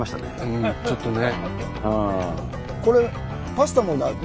うんちょっとね。